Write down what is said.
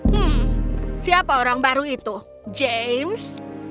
hmm siapa orang baru itu james